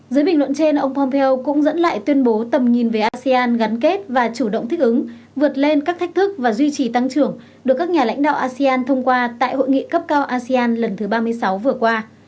dưới bình luận trên ông pompeo cũng dẫn lại tuyên bố tầm nhìn về asean gắn kết và chủ động thích ứng vượt lên các thách thức và duy trì tăng trưởng được các nhà lãnh đạo asean thông qua tại hội nghị cấp cao asean lần thứ ba mươi sáu vừa qua